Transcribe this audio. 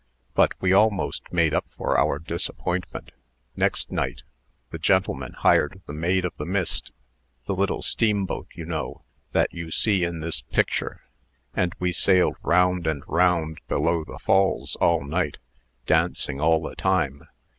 But we almost made up for our disappointment. Next night, the gentlemen hired the 'Maid of the Mist' the little steamboat, you know, that you see in this picture and we sailed round and round below the Falls all night, dancing all the time.